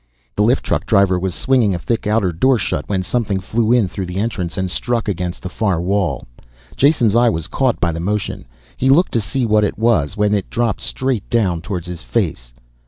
The lift truck driver was swinging a thick outer door shut when something flew in through the entrance and struck against the far wall. Jason's eye was caught by the motion, he looked to see what it was when it dropped straight down towards his face.